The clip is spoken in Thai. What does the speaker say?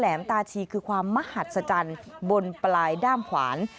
ตาชีคือความมหัศจรรย์บนปลายด้ามขวาน